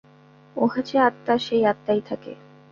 উহা যে আত্মা, সেই আত্মাই থাকে।